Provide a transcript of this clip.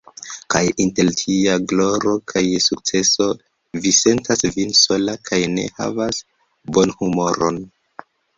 Kaj inter tia gloro kaj sukceso Vi sentas Vin sola kaj ne havas bonhumoron!